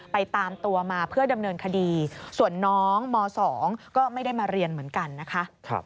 ตามตัวมาเพื่อดำเนินคดีส่วนน้องม๒ก็ไม่ได้มาเรียนเหมือนกันนะคะ